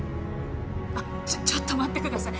あっちょちょっと待ってください。